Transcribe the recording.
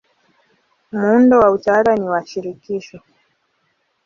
Muundo wa utawala ni wa shirikisho.